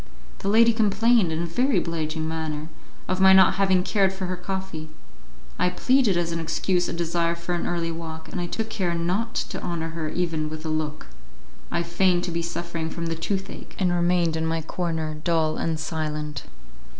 The lady complained, in a very obliging manner, of my not having cared for her coffee; I pleaded as an excuse a desire for an early walk, and I took care not to honour her even with a look; I feigned to be suffering from the toothache, and remained in my corner dull and silent.